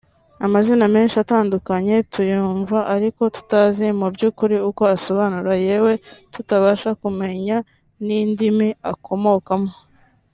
Amazina menshi atandukanye tuyumva ariko tutazi mu by’ukuri uko asobanura yewe tutabasha kumenya n’idimi akomokamo